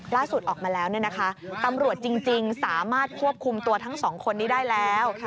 ล่าสุดออกมาแล้วตำรวจจริงสามารถควบคุมตัวทั้งสองคนนี้ได้แล้ว